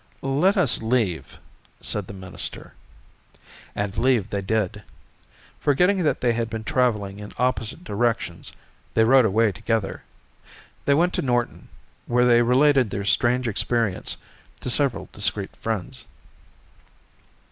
"Let us leave," said the minister. And leave they did. Forgetting that they had been traveling in opposite directions, they rode away together. They went to Norton, where they related their strange experience to several discreet friends.